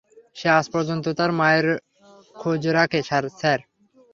সে আজপর্যন্ত তার মায়ের খুঁজ রাখে, স্যার।